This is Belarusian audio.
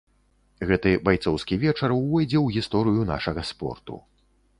Гэты байцоўскі вечар увойдзе ў гісторыю нашага спорту.